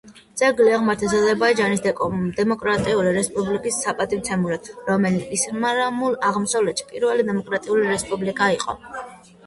ძეგლი აღმართეს აზერბაიჯანის დემოკრატიული რესპუბლიკის საპატივცემულოდ, რომელიც ისლამურ აღმოსავლეთში პირველი დემოკრატიული რესპუბლიკა იყო.